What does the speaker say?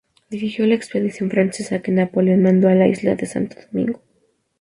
Dirigió la expedición francesa que Napoleón mandó a la isla de Santo Domingo.